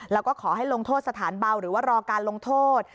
แล้วก็ขอให้ลงโทษสถานเบาหรือว่ารอการลงโทษ